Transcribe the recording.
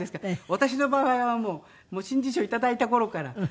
私の場合はもう新人賞をいただいた頃からずっとね。